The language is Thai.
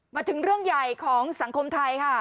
มาถึงเรื่องใหญ่ของสังคมไทยค่ะ